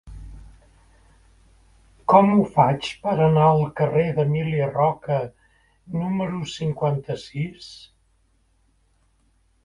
Com ho faig per anar al carrer d'Emili Roca número cinquanta-sis?